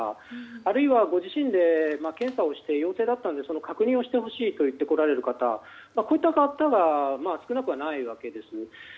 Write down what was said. あるいはご自身で検査をして陽性だったのでその確認をしてほしいと来られる方こういった方が少なくないわけです。